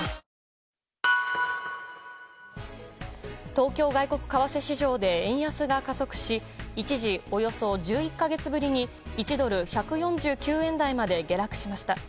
東京外国為替市場で円安が加速し一時、およそ１１か月ぶりに１ドル＝１４９円台まで下落しました。